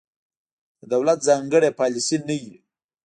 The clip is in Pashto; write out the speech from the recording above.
د دولت ځانګړې پالیسي نه وي.